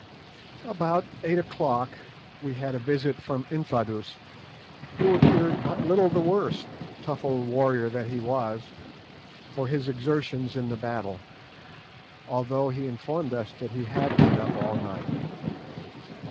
About eight o'clock we had a visit from Infadoos, who appeared but little the worse—tough old warrior that he was—for his exertions in the battle, although he informed us that he had been up all night.